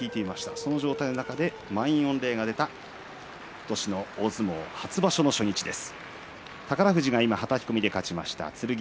その状態の中で満員御礼が出た今年の大相撲初場所の初日です。